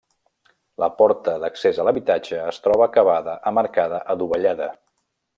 La porta d'accés a l'habitatge es troba acabada amb arcada adovellada.